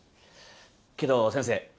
けど先生。